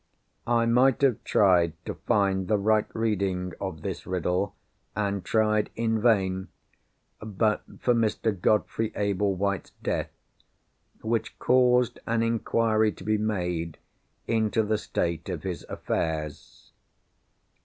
I might have tried to find the right reading of this riddle, and tried in vain—but for Mr. Godfrey Ablewhite's death, which caused an inquiry to be made into the state of his affairs.